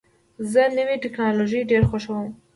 زه نوې ټکنالوژۍ ډېر خوښوم.